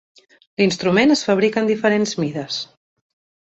L'instrument es fabrica en diferents mides.